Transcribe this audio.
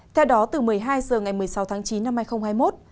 theo đó từ một mươi hai h ngày một mươi sáu tháng chín năm hai nghìn hai mươi một